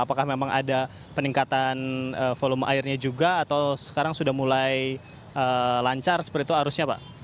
apakah memang ada peningkatan volume airnya juga atau sekarang sudah mulai lancar seperti itu arusnya pak